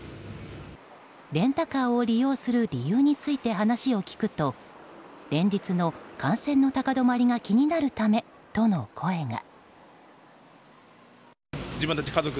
レンタカーを利用する理由について話を聞くと連日の感染の高止まりが気になるためとの声が。